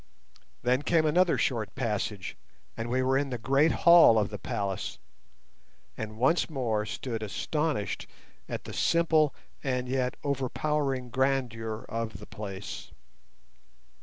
Then came another short passage, and we were in the great hall of the palace, and once more stood astonished at the simple and yet overpowering grandeur of the place.